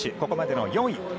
ここまでの４位。